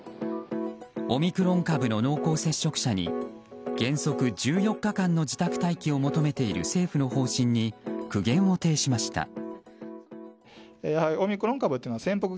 オミクロン株の濃厚接触者に原則１４日間の自宅待機を求めている政府の方針に苦言を呈しました。